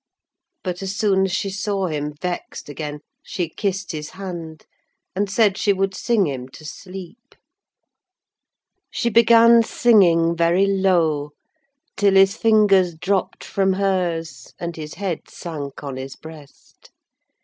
But as soon as she saw him vexed again, she kissed his hand, and said she would sing him to sleep. She began singing very low, till his fingers dropped from hers, and his head sank on his breast.